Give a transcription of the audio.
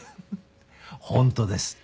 本当です！